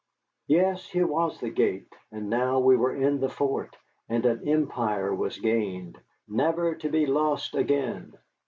Yes, here was the gate, and now we were in the fort, and an empire was gained, never to be lost again.